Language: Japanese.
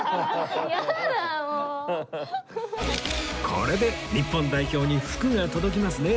これで日本代表に福が届きますね